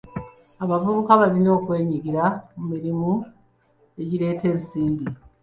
Abavubuka balina okwenyigira mu mirimu egireeta ensimbi.